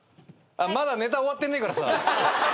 まだネタ終わってねえからさ。